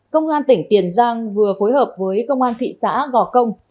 công an tỉnh tiền giang vừa phối hợp với công an thị xã gò công